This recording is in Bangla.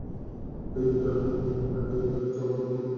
যুগ যুগ ধরে লোক মুখে গাজী, কালু, চম্পাবতীর কাহিনি এলাকায় প্রচলিত।